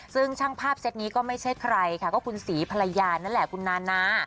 ซึ่งช่างภาพเซ็ตนี้ก็ไม่ใช่ใครค่ะก็คุณศรีภรรยานั่นแหละคุณนานา